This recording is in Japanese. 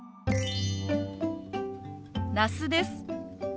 那須です。